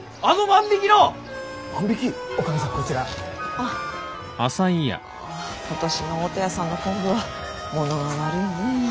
あ今年の太田屋さんの昆布はモノが悪いね。